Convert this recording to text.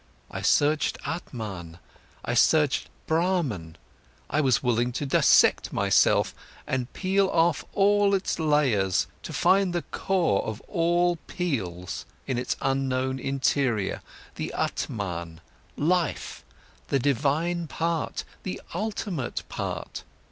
I searched Atman, I searched Brahman, I was willing to dissect my self and peel off all of its layers, to find the core of all peels in its unknown interior, the Atman, life, the divine part, the ultimate part.